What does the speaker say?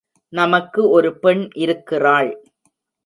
நமக்கு ஒரு பெண் இருக்கிறாள்.